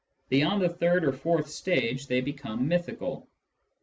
Beyond the third or fourth stage they become mythical.